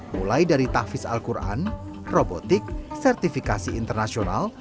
mulai dari tahfiz al quran robotik sertifikasi internasional